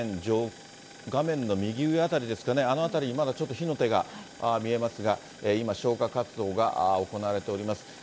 画面の右上辺りですかね、あの辺りにまだちょっと火の手が見えますが、今、消火活動が行われております。